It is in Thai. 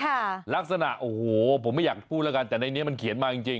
ค่ะลักษณะโอ้โหผมไม่อยากพูดแล้วกันแต่ในนี้มันเขียนมาจริงจริง